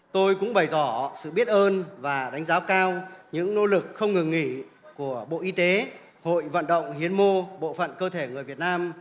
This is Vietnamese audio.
tôi cũng bày tỏ sự biết ơn và đánh giá cao những nỗ lực không ngừng nghỉ của bộ y tế hội vận động hiến mô bộ phận cơ thể người việt nam